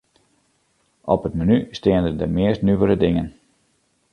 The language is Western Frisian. Op it menu steane de meast nuvere dingen.